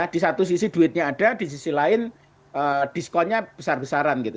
di satu sisi duitnya ada di sisi lain diskonnya besar besaran gitu